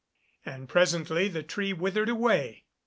And presently the tree withered away."